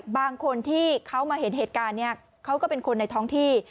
บางคนที่เขามาเห็นเหตุการณ์เนี่ยเขาก็เป็นคนในท้องที่